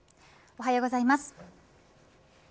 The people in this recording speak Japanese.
おはようございます。